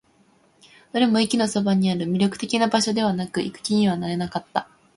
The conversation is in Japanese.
どれも駅のそばにある。魅力的な場所ではなく、行く気にはなれなかった。